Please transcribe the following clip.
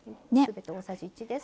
全て大さじ１です。